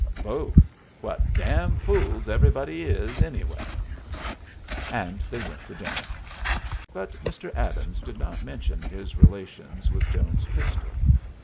Both. What damn fools everybody is, anyway! And they went to dinner. But Mr. Adams did not mention his relations with Jones's pistol.